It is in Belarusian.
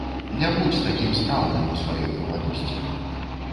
Не будзь такім спраўным у сваёй маладосці.